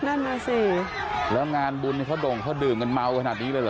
นั่นน่ะสิแล้วงานบุญเขาด่งเขาดื่มกันเมาขนาดนี้เลยเหรอ